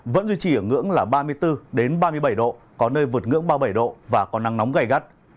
vẫn duy trì ở ngưỡng là ba mươi bốn ba mươi bảy độ có nơi vượt ngưỡng ba mươi bảy độ và có nắng nóng gây gắt